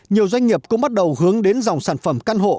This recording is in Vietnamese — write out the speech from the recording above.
nhiều doanh nghiệp cũng bắt đầu hướng đến dòng sản phẩm căn hộ